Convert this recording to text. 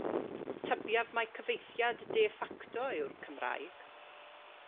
Tybiaf mai cyfieithiad de facto yw'r Cymraeg.